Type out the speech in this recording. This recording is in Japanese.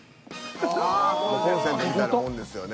コンセントみたいなもんですよね。